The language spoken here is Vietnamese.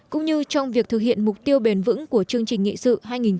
cũng như trong việc thực hiện mục tiêu bền vững của chương trình nghị sự hai nghìn ba mươi